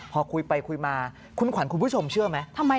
พอคุยไปคุยมาคุณขวัญคุณผู้ชมเชื่อไหม